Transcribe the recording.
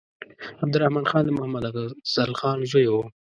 عبدالرحمن خان د محمد افضل خان زوی وو.